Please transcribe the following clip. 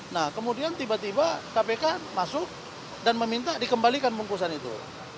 nah kemudian tiba tiba kpk masuk dan meminta dikembalikan bungkusan itu